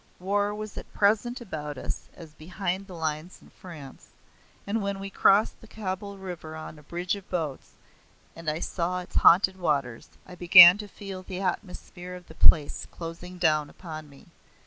War was at present about us as behind the lines in France; and when we crossed the Kabul River on a bridge of boats, and I saw its haunted waters, I began to feel the atmosphere of the place closing down upon me.